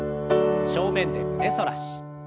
正面で胸反らし。